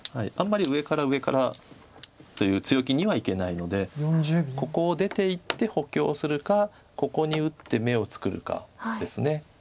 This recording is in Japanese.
あんまり上から上からという強気にはいけないのでここを出ていって補強するかここに打って眼を作るかです。